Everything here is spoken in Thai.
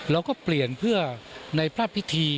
เราก็เปลี่ยนเพื่อในพระพิธี